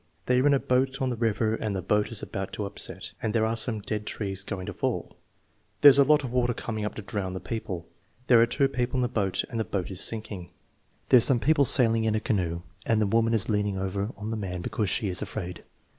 They are in a boat on the river and the boat is about to upset, and there are some dead trees going to fall." "There's a lot of water coming up to drown the people. There are two people in the boat and the boat is sinking." "There's some people sailing in a canoe and the woman is leaning over on the man because she is afraid."